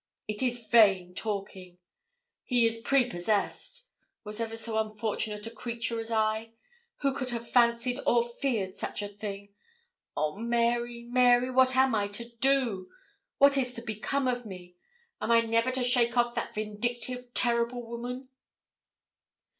It is vain talking; he is prepossessed. Was ever so unfortunate a creature as I? Who could have fancied or feared such a thing? Oh, Mary, Mary, what am I to do? what is to become of me? Am I never to shake off that vindictive, terrible woman?'